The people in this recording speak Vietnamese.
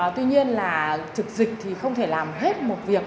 tuy nhiên là trực dịch thì không thể làm hết một việc